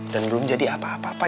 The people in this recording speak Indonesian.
dan belum jadi apa apa pak